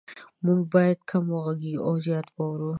مونږ باید کم وغږیږو او زیات واورو